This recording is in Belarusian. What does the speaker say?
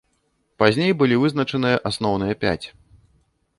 Пазней былі вызначаныя асноўныя пяць.